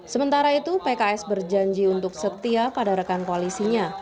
sementara itu pks berjanji untuk setia pada rekan koalisinya